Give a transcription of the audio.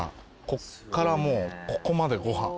ここからもうここまでご飯全部。